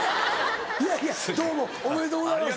いやいやどうもおめでとうございます。